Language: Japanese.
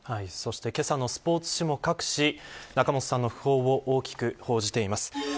けさのスポーツ紙も各紙仲本さんの訃報を大きく報じています。